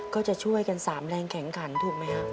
ก็จะช่วยกันสามแรงแข็งขันถูกไหมครับ